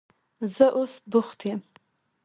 زه اوس بوخت یم.